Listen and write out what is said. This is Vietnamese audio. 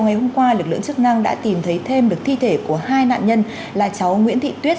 ngày hôm qua lực lượng chức năng đã tìm thấy thêm được thi thể của hai nạn nhân là cháu nguyễn thị tuyết